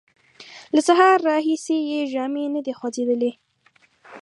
له سهاره راهیسې یې ژامې نه دې خوځېدلې!